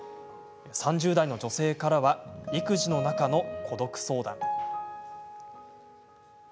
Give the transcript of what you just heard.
３０代の女性からは育児の中の孤独相談。